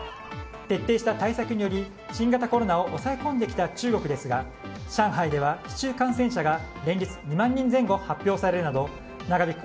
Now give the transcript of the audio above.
徹底した対策により新型コロナを抑え込んできた中国ですが上海では市中感染者が連日２万人前後発表されるなど長引く